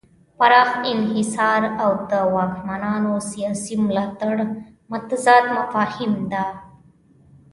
پراخ انحصار او د واکمنانو سیاسي ملاتړ متضاد مفاهیم دي.